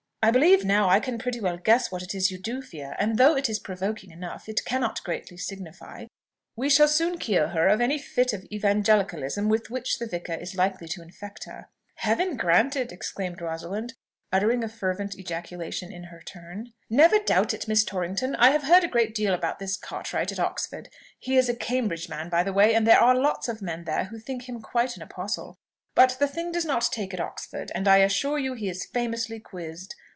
I believe now I can pretty well guess what it is you do fear; and though it is provoking enough, it cannot greatly signify. We shall soon cure her of any fit of evangelicalism with which the vicar is likely to infect her." "Heaven grant it!" exclaimed Rosalind, uttering a fervent ejaculation in her turn. "Never doubt it, Miss Torrington. I have heard a great deal about this Cartwright at Oxford. He is a Cambridge man, by the way, and there are lots of men there who think him quite an apostle. But the thing does not take at Oxford, and I assure you he is famously quizzed.